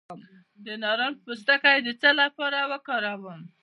د نارنج پوستکی د څه لپاره وکاروم؟